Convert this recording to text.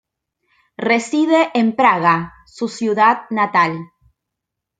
Reside en Praga, su ciudad natal.